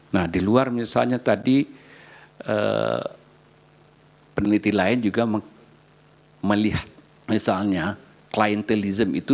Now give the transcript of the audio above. nah di luar misalnya tadi peneliti lain juga melihat misalnya klien telim itu